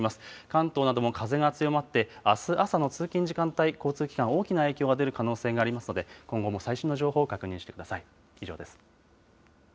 関東なども風が強まって、あす朝の通勤時間帯、交通機関、大きな影響が出る可能性がありますので、今後も最新の情報を確認してください。